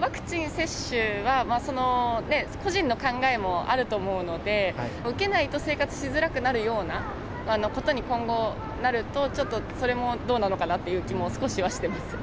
ワクチン接種はその個人の考えもあると思うので、受けないと生活しづらくなるようなことに今後なると、ちょっとそれもどうなのかなっていう気も少しはしてます。